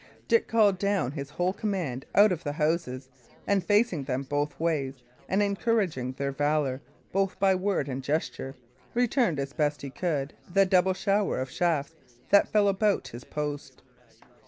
Dick called down his whole command out of the houses, and facing them both ways, and encouraging their valour both by word and gesture, returned as best he could the double shower of shafts that fell about his post.